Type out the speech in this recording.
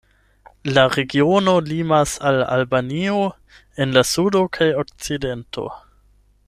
La regiono limas al Albanio en la sudo kaj okcidento.